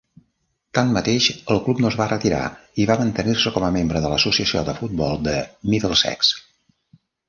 Tanmateix, el club no es va retirar i va mantenir-se com a membre de l'Associació de Futbol de Middlesex.